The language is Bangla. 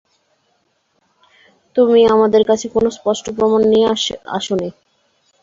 তুমি আমাদের কাছে কোন স্পষ্ট প্রমাণ নিয়ে আসনি।